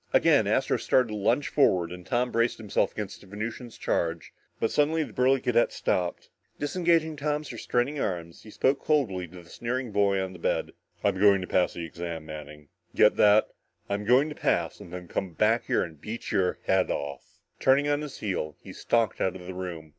Again, Astro started to lunge forward and Tom braced himself against the Venusian's charge, but suddenly the burly cadet stopped. Disengaging Tom's restraining arms, he spoke coldly to the sneering boy on the bed. "I'm going to pass the exam, Manning. Get that? I'm going to pass and then come back and beat your head off!" Turning on his heel, he stalked out of the room.